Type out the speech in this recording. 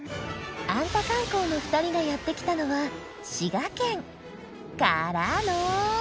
アンタ観光の２人がやってきたのはからの！